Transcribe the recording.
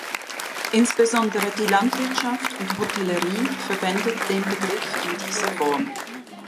Insbesondere die Landwirtschaft und Hotellerie verwendet den Begriff in dieser Form.